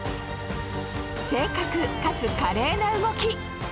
正確かつ華麗な動き。